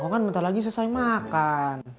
oh kan bentar lagi selesai makan